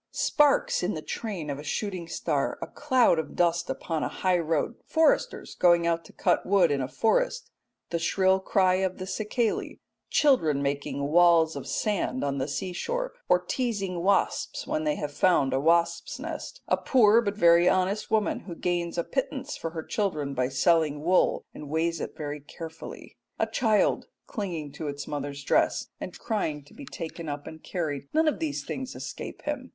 Sparks in the train of a shooting star; a cloud of dust upon a high road; foresters going out to cut wood in a forest; the shrill cry of the cicale; children making walls of sand on the sea shore, or teasing wasps when they have found a wasps' nest; a poor but very honest woman who gains a pittance for her children by selling wool, and weighs it very carefully; a child clinging to its mother's dress and crying to be taken up and carried none of these things escape him.